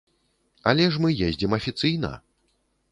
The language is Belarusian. Але ж мы ездзім афіцыйна!